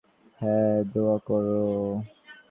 হ্যাঁ, দোয়া করো যেনো বিশ্বাস করে।